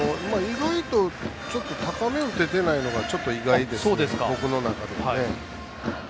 高め打ててないのがちょっと意外ですね、僕の中で。